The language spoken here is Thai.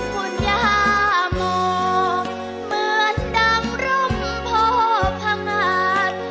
คุณยามองเหมือนดังร่มโพพงาศ